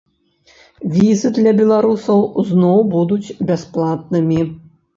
Візы для беларусаў зноў будуць бясплатнымі.